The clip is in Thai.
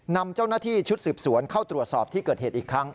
นำเจ้าหน้าที่ชุดสืบสวนเข้าตรวจสอบที่เกิดเหตุอีกครั้ง